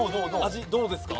味どうですか？